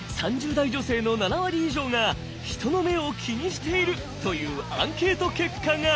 ２０代３０代女性の７割以上が人の目を気にしているというアンケート結果が！